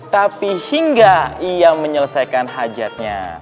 tapi hingga ia menyelesaikan hajatnya